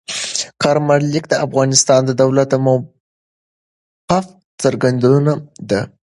کارمل لیک د افغانستان د دولت د موقف څرګندونه ده.